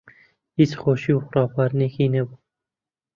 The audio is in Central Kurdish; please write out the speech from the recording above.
هیچ خۆشی و ڕابواردنێکی نەبوو